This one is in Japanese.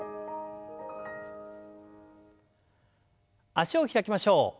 脚を開きましょう。